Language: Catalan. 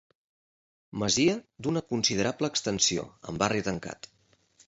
Masia d'una considerable extensió amb barri tancat.